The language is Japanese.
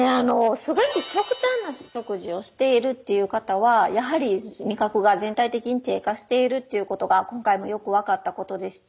すごく極端な食事をしているという方はやはり味覚が全体的に低下しているっていうことが今回もよく分かったことでして。